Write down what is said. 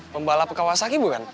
pembalap kawasaki bukan